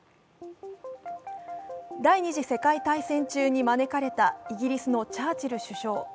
第二次世界大戦中に招かれたイギリスのチャーチル首相。